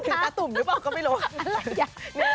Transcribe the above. ถ้าตุ่มนึกออกก็ไม่รู้